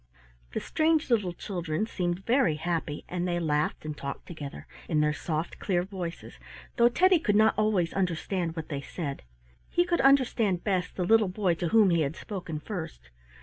The strange little children seemed very happy, and they laughed and talked together in their soft, clear voices, though Teddy could not always understand what they said. He could understand best the little boy to whom he had spoken first.